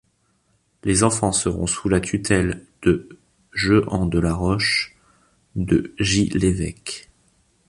Ses enfants seront sous la tutelle de Jehan de La Roche, de Gy-l'Evêque.